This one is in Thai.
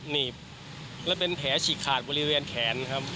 หนีบแล้วเป็นแผลฉีกขาดบริเวณแขนครับ